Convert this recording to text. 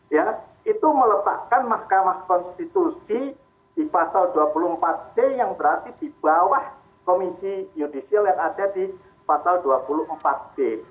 ya itu meletakkan mahkamah konstitusi di pasal dua puluh empat c yang berarti di bawah komisi yudisial yang ada di pasal dua puluh empat d